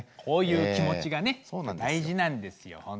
こういう気持ちがね大事なんですよ